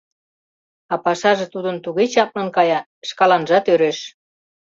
А пашаже тудын туге чаплын кая — шкаланжат ӧреш.